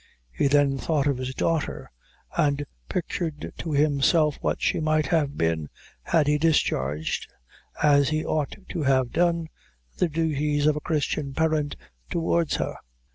He then thought of his daughter, and pictured to himself what she might have been, had he discharged, as he ought to have done, the duties of a Christian parent towards her.